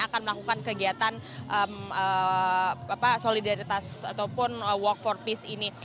akan melakukan kegiatan solidaritas ataupun walk for peace ini